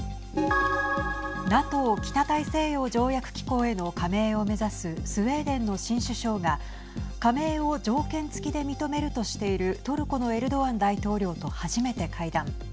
ＮＡＴＯ＝北大西洋条約機構への加盟を目指すスウェーデンの新首相が加盟を条件付きで認めるとしているトルコのエルドアン大統領と初めて会談。